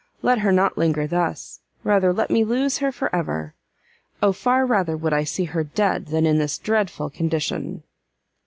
let her not linger thus, rather let me lose her for ever! O far rather would I see her dead, glad in this dreadful condition!"